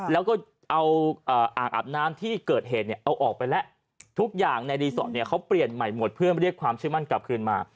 แล้วก็เอาอ่างอาบน้ำที่เกิดเหตุเนี่ยเอาออกไปแล้วทุกอย่างในรีสอร์ทเนี่ยเขาเปลี่ยนใหม่หมดเพื่อเรียกความเชื่อมั่นกลับคืนมา